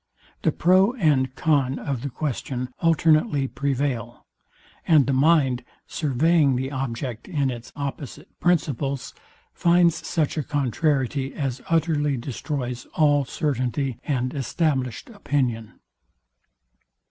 The pro and con of the question alternately prevail; and the mind, surveying the object in its opposite principles, finds such a contrariety as utterly destroys all certainty and established opinion.